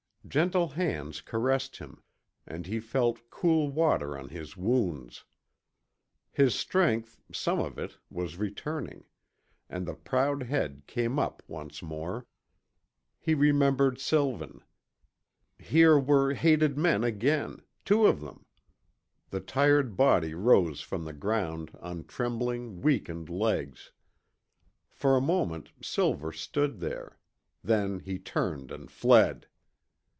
Gentle hands caressed him, and he felt cool water on his wounds. His strength, some of it, was returning, and the proud head came up once more. He remembered Sylvan. Here were hated men again, two of them. The tired body rose from the ground on trembling, weakened legs. For a moment Silver stood there, then he turned and fled.